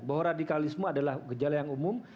bahwa radikalisme adalah gejala yang umum